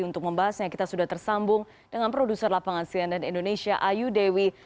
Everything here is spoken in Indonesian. untuk membahasnya kita sudah tersambung dengan produser lapangan cnn indonesia ayu dewi